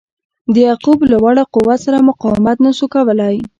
د یعقوب له واړه قوت سره مقاومت نه سو کولای.